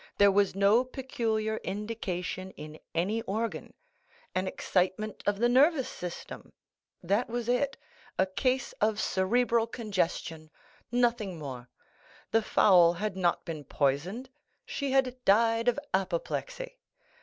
There was no peculiar indication in any organ—an excitement of the nervous system—that was it; a case of cerebral congestion—nothing more. The fowl had not been poisoned—she had died of apoplexy.